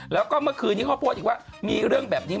แล้วก็เมื่อคืนนี้เขาโพสต์อีกว่ามีเรื่องแบบนี้